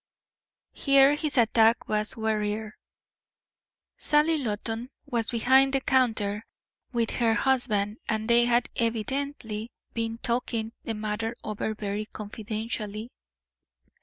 Here his attack was warier. Sally Loton was behind the counter with her husband, and they had evidently been talking the matter over very confidentially.